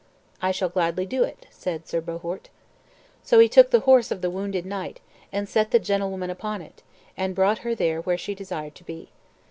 "I shall gladly do it," said Sir Bohort. So he took the horse of the wounded knight, and set the gentlewoman upon it, and brought her there where she desired to be.